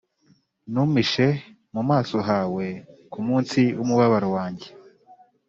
ntumpishe mu maso hawe kumunsi wumubabaro wanjye